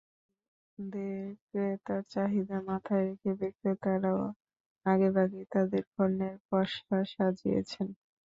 ঈদে ক্রেতার চাহিদা মাথায় রেখে বিক্রেতারাও আগেভাগেই তাঁদের পণ্যের পসরা সাজিয়েছেন।